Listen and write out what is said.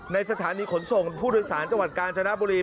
สถานีขนส่งผู้โดยสารจังหวัดกาญจนบุรี